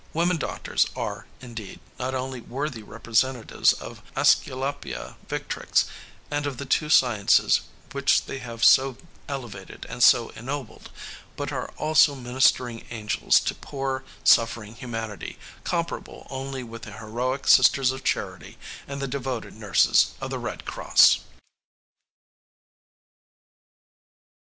Women doctors are, indeed, not only worthy representatives of Æsculapia Victrix and of the two sciences which they have so elevated and so ennobled, but are also ministering angels to poor, suffering humanity comparable only with the heroic Sisters of Charity and the devoted nurses of the Red Cross.